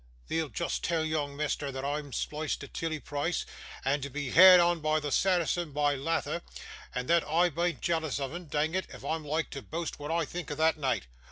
'Thee'lt just tell yoong Measther that I'm sploiced to 'Tilly Price, and to be heerd on at the Saracen by latther, and that I bean't jealous of 'un dang it, I'm loike to boost when I think o' that neight!